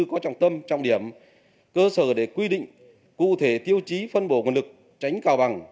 có trọng tâm trọng điểm cơ sở để quy định cụ thể tiêu chí phân bổ nguồn lực tránh cao bằng